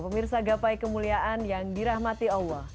pemirsa gapai kemuliaan yang dirahmati allah